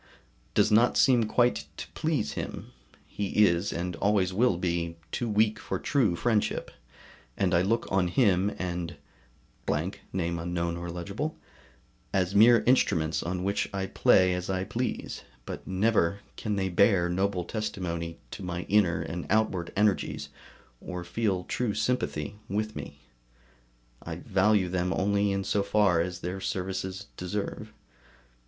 ] does not seem quite to please him; he is, and always will be, too weak for true friendship, and I look on him and as mere instruments on which I play as I please, but never can they bear noble testimony to my inner and outward energies, or feel true sympathy with me; I value them only in so far as their services deserve.